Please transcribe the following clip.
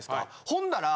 ほんなら。